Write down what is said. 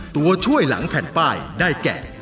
ตัวช่วยหลังแผ่นป้ายได้แก่